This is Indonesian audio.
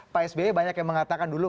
pak sby banyak yang mengatakan dulu